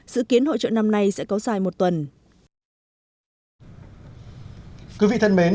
sự kiến hội trợ năm nay sẽ có dài một tuần